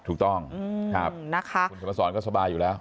ถูกต้องคุณสมสรรค์ก็สบายอยู่แล้ว